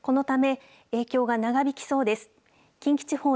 このため影響が長引きそうです。